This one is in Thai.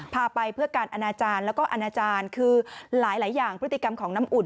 พาไปเพื่อการอนาจารย์แล้วก็อนาจารย์คือหลายอย่างพฤติกรรมของน้ำอุ่น